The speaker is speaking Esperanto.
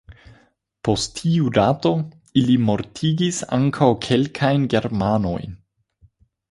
Post tiu dato, ili mortigis ankaŭ kelkajn germanojn.